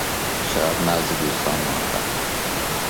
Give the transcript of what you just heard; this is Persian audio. شب نزد دوستان ماندم.